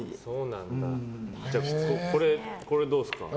これどうですか。